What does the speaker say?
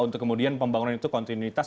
untuk kemudian pembangunan itu kontinuitas